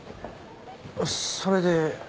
それで？